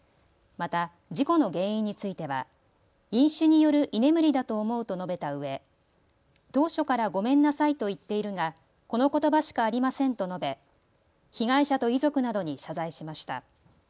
また事故の原因については飲酒による居眠りだと思うと述べたうえ当初からごめんなさいと言っているがこのことばしかありませんと述べ被害者と遺族などに謝罪しました。